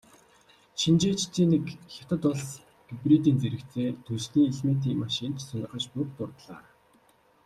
Шинжээчдийн нэг "Хятад улс гибридийн зэрэгцээ түлшний элементийн машин ч сонирхож буй"-г дурдлаа.